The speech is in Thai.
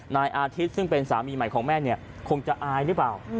นายอาทิตย์ซึ่งเป็นสามีใหม่ของแม่เนี่ยคงจะอายหรือเปล่า